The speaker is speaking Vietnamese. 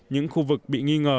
những khu vực bị nghi ngờ